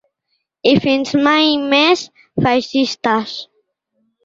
I fins mai més feixistes.